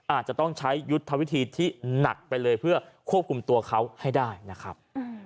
อาจจะต้องใช้ยุทธวิธีที่หนักไปเลยเพื่อควบคุมตัวเขาให้ได้นะครับ